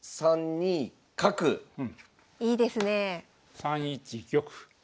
３一玉。